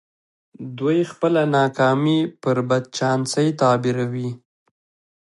دوی خپله ناکامي پر بد چانسۍ تعبيروي.